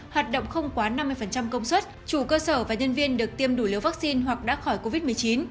hoạt động không quá năm mươi công suất chủ cơ sở và nhân viên được tiêm đủ liều vaccine hoặc đã khỏi covid một mươi chín